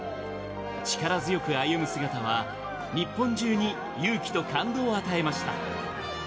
力強く歩む姿は日本中に勇気と感動を与えました。